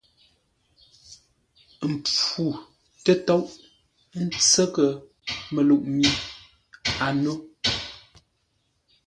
Ə́ pfú tə́tóʼ, ə́ ntsə́ghʼə́ məluʼ mi a nó.